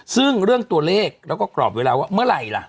ซึ่งเรื่องตัวเลขแล้วก็กรอบเวลาว่าเมื่อไหร่ล่ะ